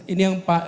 ini yang lebih